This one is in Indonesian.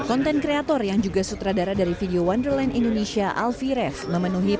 ada mungkin salah